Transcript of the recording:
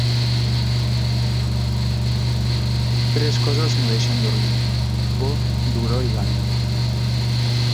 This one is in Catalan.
Tres coses no deixen dormir: por, dolor i gana.